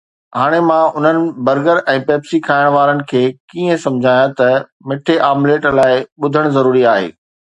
هاڻي مان انهن برگر ۽ پيپسي کائڻ وارن کي ڪيئن سمجهايان ته مٺي آمليٽ لاءِ ٻڌڻ ضروري آهي؟